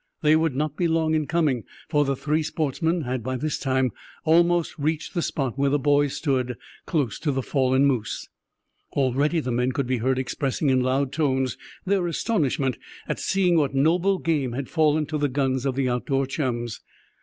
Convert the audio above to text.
They would not be long in coming, for the three sportsmen had by this time almost reached the spot where the boys stood, close to the fallen moose. Already the men could be heard expressing in loud tones their astonishment at seeing what noble game had fallen to the guns of the outdoor chums.